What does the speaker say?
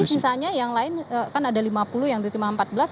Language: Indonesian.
berarti sisanya yang lain kan ada lima puluh yang diperkonsitusi